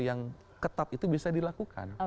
yang ketat itu bisa dilakukan